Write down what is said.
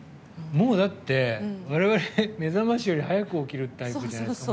もうだって、我々目覚ましより早く起きるじゃないですか